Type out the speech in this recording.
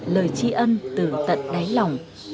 lời tri ân từ tận đáy lòng